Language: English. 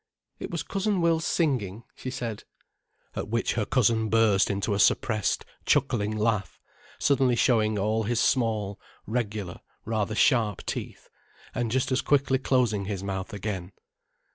"It was Cousin Will's singing," she said. At which her cousin burst into a suppressed, chuckling laugh, suddenly showing all his small, regular, rather sharp teeth, and just as quickly closing his mouth again.